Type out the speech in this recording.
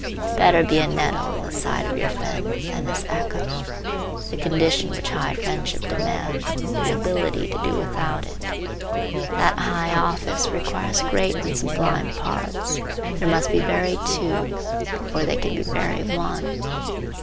Better be a nettle in the side of your friend than his echo. The condition which high friendship demands is ability to do without it. That high office requires great and sublime parts. There must be very two, before there can be very one.